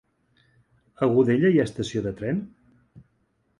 A Godella hi ha estació de tren?